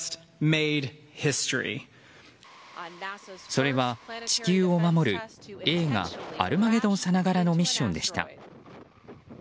それは、地球を守る映画「アルマゲドン」さながらのミッションでした。